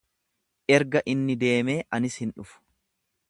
Erga inni deemee anis hin dhufu.